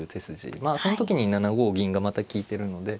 まあその時に７五銀がまた利いてるので。